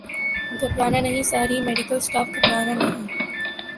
گھبرا نہ نہیں ساری میڈیکل سٹاف گھبرانہ نہیں